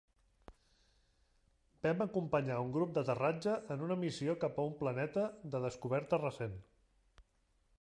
Bem acompanya un grup d'aterratge en una missió cap a un planeta de descoberta recent.